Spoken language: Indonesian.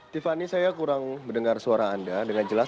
tiffany saya kurang mendengar suara anda dengan jelas